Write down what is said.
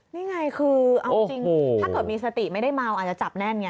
นี่ไงคือเอาจริงถ้าเกิดมีสติไม่ได้เมาอาจจะจับแน่นไง